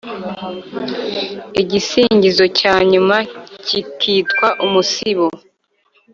igisingizo cya nyuma kikitwa umusibo